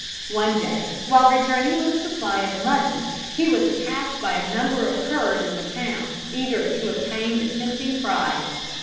One day, while returning with a supply of mutton, he was attacked by a number of curs in the town, eager to obtain the tempting prize.